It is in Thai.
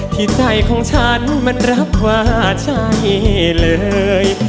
ที่ใจของฉันมันรับว่าใช่เลย